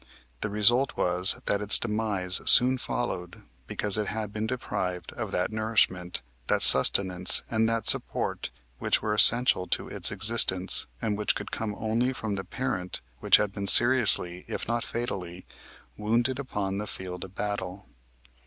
The result was that its demise soon followed because it had been deprived of that nourishment, that sustenance and that support which were essential to its existence and which could come only from the parent which had been seriously if not fatally wounded upon the field of battle.